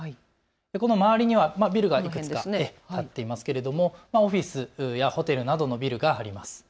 この周りにはビルが建っていますけどもオフィスやホテルなどのビルがあります。